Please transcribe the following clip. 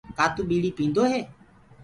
ڪآ تو ٻيڙي پيندو هي؟